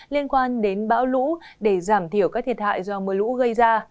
liên quan đến bão lũ để giảm thiểu các thiệt hại do mưa lũ gây ra